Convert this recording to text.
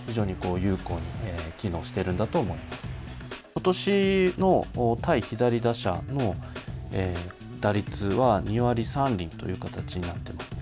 今年の対左打者の打率は２割３厘という形になっています。